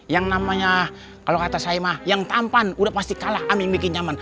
yang namanya kalo kata saya mah yang tampan udah pasti kalah am yang bikin nyaman